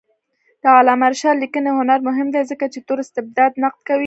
د علامه رشاد لیکنی هنر مهم دی ځکه چې تور استبداد نقد کوي.